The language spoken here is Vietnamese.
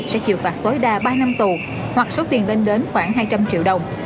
sẽ chịu phạt tối đa ba năm tù hoặc số tiền lên đến khoảng hai trăm linh triệu đồng